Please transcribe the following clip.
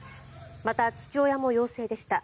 また、父親も陽性でした。